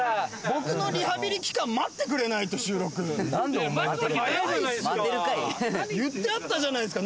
僕のリハビリ期間待ってくれないと収録待てるかい言ってあったじゃないですか